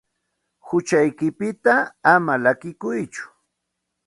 Huchaykipita ama llakikuytsu.